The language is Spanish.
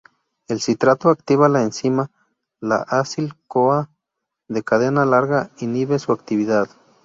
El citrato activa la enzima; la acil-CoA de cadena larga inhibe su actividad.